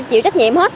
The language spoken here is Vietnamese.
chịu trách nhiệm hết